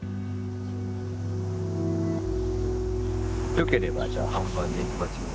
よければじゃあ本番でいきますよ。